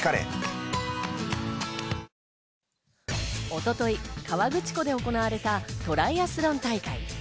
一昨日、河口湖で行われたトライアスロン大会。